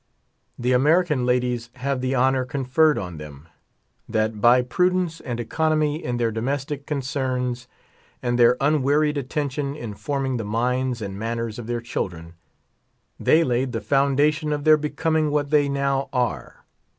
The American ladies have the honor conferred on them, that by prudence and economy in their domestic con cerns, and their unwearied attention in forming the minds and manners of their children, they laid the found ation of their becoming what they now are.